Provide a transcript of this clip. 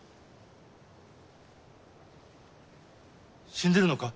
死んでいるのか？